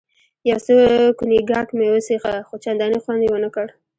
یو څه کونیګاک مې وڅېښه، خو چندانې خوند یې ونه کړ.